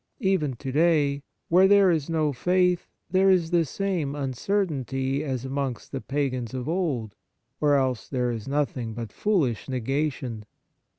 Even to day, where there is no faith, there is the same uncertainty as amongst the pagans of old, or else there is nothing but foolish negation.